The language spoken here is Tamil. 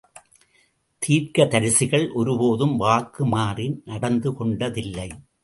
தீர்க்கதரிசிகள் ஒரு போதும் வாக்கு மாறி நடந்து கொண்டதில்லை.